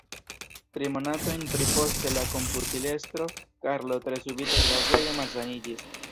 Tri monatojn pri poste la komputilestro Karlo tre subite gravege malsaniĝis.